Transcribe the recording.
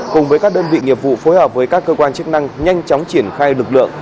cùng với các đơn vị nghiệp vụ phối hợp với các cơ quan chức năng nhanh chóng triển khai lực lượng